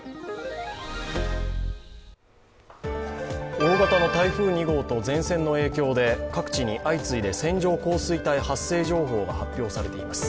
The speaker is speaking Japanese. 大型の台風２号と前線の影響で各地に相次いで線状降水帯発生情報が発表されています。